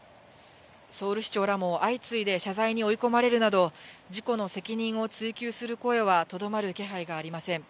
ソウル市長らも相次いで謝罪に追い込まれるなど、事故の責任を追及する声はとどまる気配がありません。